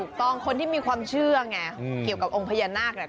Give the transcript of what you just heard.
คนที่มีความเชื่อไงเกี่ยวกับองค์พญานาคเนี่ย